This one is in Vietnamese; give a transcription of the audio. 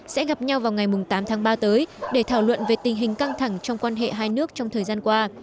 sẽ gặp nhau vào ngày tám tháng ba tới để thảo luận về tình hình căng thẳng trong quan hệ hai nước trong thời gian qua